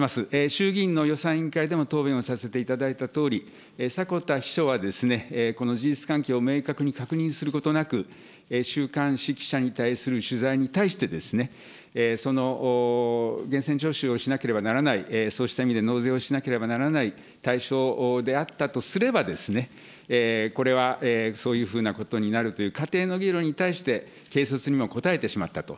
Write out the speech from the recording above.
衆議院の予算委員会でも答弁をさせていただいたとおり、迫田秘書は、この事実関係を明確に確認することなく、週刊誌記者に対する取材に対して、その源泉徴収をしなければならない、そうした意味で納税をしなければならない対象であったとすれば、これは、そういうふうなことになるというふうに仮定の議論に対して軽率にも答えてしまったと。